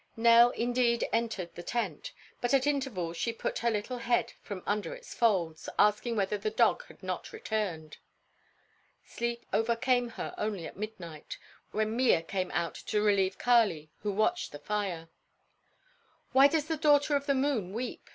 Nell indeed entered the tent, but at intervals she put out her little head from under its folds, asking whether the dog had not returned. Sleep overcame her only after midnight, when Mea came out to relieve Kali, who watched the fire. "Why does the daughter of the moon weep?"